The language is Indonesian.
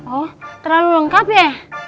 oh terlalu lengkap ya